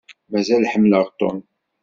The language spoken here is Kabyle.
Mazal ḥemmleɣ Tom.